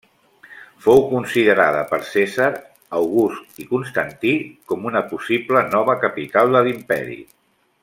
Fou considerada per Cèsar, August i Constantí com una possible nova capital de l'Imperi.